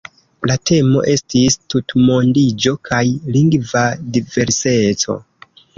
La temo estis "Tutmondiĝo kaj lingva diverseco.